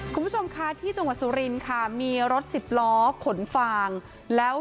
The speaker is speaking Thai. คุณผู้ชมคะที่จังหวัดสุรินค่ะมีรถสิบล้อขนฟางแล้ว